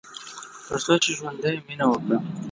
تر څو چې ژوندی يې ، مينه وکړه